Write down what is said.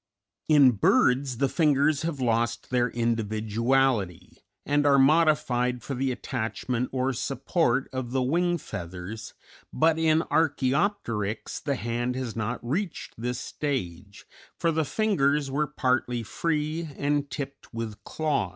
In birds the fingers have lost their individuality, and are modified for the attachment or support of the wing feathers, but in Archæopteryx the hand had not reached this stage, for the fingers were partly free and tipped with claws.